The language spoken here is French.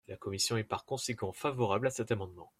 La commission est par conséquent favorable à cet amendement.